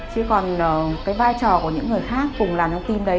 chứ còn vai trò của những người khác cùng làm trong team đấy